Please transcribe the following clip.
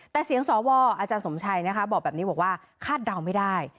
แต่เสียงสวอาจารย์สมชัยนะคะบอกแบบนี้บอกว่าคาดเดาไม่ได้